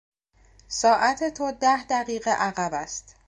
ساعت تو ده دقیقه عقب است.